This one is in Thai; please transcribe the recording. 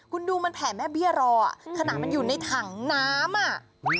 คุณดูมันแผ่แม่เบี้ยรออ่ะขนาดมันอยู่ในถังน้ำอ่ะ